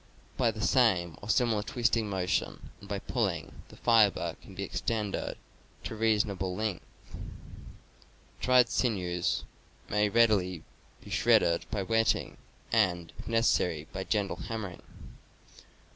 By the same or similar twisting motion, and by pulling, the fiber can be extended to a reason able length. [Dried sinews may readily be shredded by wetting, and, if necessary, by gentle hammering.